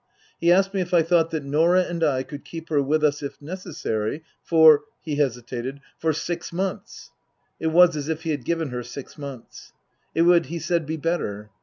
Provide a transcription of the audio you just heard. He asked me if I thought that Norah and I could keep her with us, if necessary, for he hesitated for six months ? (It was as if he had given her six months.) It would, he said, be better.